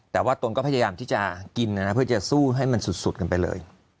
แต่ว่าตนก็พยายามที่จะกินนะเพื่อจะสู้ให้มันสุดกันไปเลย